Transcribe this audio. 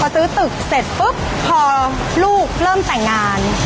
พอซื้อตึกเสร็จปุ๊บพอลูกเริ่มแต่งงาน